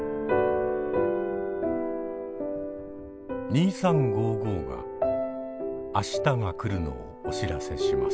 「２３」が明日が来るのをお知らせします。